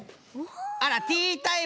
あらティータイムじゃ。